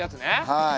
はい。